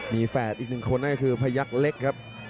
มีแฝดอีกหนึ่งคนนั่นก็คือพยักษ์เล็กครับ